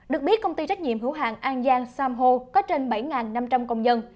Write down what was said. được biết công ty trách nhiệm hữu hàng an giang sam hô có trên bảy năm trăm linh công nhân